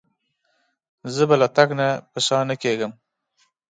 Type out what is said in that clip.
زه به له تګ نه په شا نه کېږم.